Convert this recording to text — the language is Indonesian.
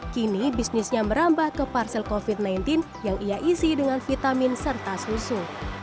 kini bisnisnya merambah ke parsel covid sembilan belas yang ia isi dengan vitamin serta susu